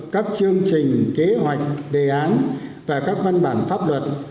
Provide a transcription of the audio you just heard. các chương trình kế hoạch đề án và các văn bản pháp luật